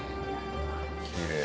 きれい。